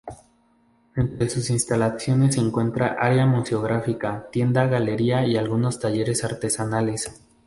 Entre sus instalaciones se encuentran área museográfica, tienda galería y algunos talleres artesanales.